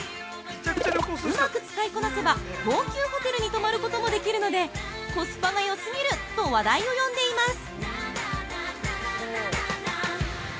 うまく使いこなせば、高級ホテルに泊まることもできるので、コスパがよすぎる！と話題を呼んでいます。